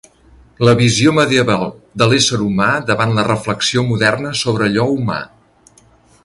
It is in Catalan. La visió medieval de l'ésser humà davant la reflexió moderna sobre allò humà.